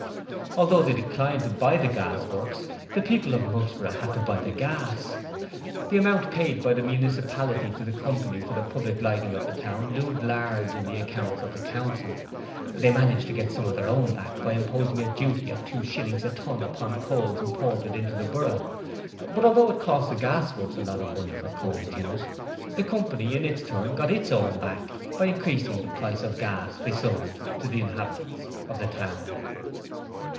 Although they declined to buy the Gas works, the people of Mugsborough had to buy the gas. The amount paid by the municipality to the Company for the public lighting of the town loomed large in the accounts of the Council. They managed to get some of their own back by imposing a duty of two shillings a ton upon coals imported into the Borough, but although it cost the Gas Works a lot of money for coal dues the Company in its turn got its own back by increasing the price of gas they sold to the inhabitants of the town...